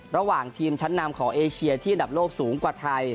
ระหว่างทีมชั้นนำของเอเชียที่อันดับโลกสูงกว่าไทย